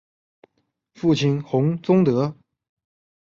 父亲洪宗德。